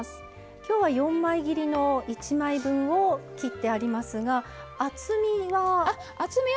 今日は４枚切りの１枚分を切ってありますが厚みが。